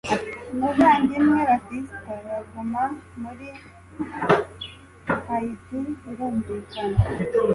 umuvandimwe batista yaguma muri hayiti birumvikana